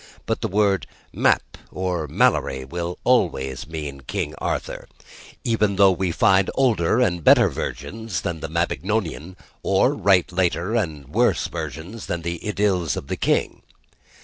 But the word "Mappe" or "Malory" will always mean King Arthur; even though we find older and better origins than the Mabinogian; or write later and worse versions than the "Idylls of the King."